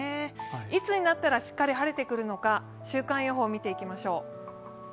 いつになったら、しっかり晴れてくるのか、週間予報を見てみましょう。